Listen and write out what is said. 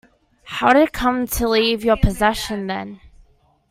How did it come to leave your possession then?